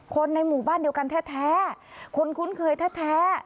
คนในหมู่บ้านเดียวกันแท้คนคุ้นเคยแท้